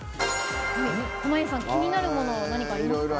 濱家さん、気になるもの何かありますか？